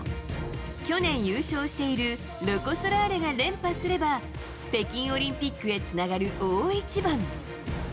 去年、優勝しているロコ・ソラーレが連覇すれば北京オリンピックへつながる大一番。